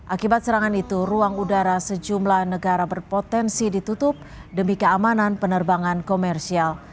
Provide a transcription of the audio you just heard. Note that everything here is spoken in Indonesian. akibat serangan itu ruang udara sejumlah negara berpotensi ditutup demi keamanan penerbangan komersial